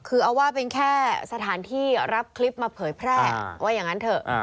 คือเอาว่าเป็นแค่สถานที่รับคลิปมาเผยแพร่ว่าอย่างนั้นเถอะ